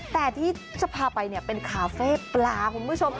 แต่ที่จะพาไปเป็นคาเฟ่ปลาคุณผู้ชม